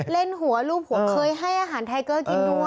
เล่นหัวรูปหัวเคยให้อาหารไทเกอร์กินด้วย